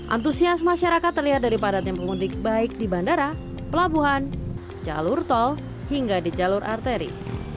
antusias masyarakat terlihat dari padatnya pemudik baik di bandara pelabuhan jalur tol hingga di jalur arteri